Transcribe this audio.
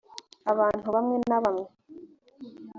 abantu bamwe na bamwe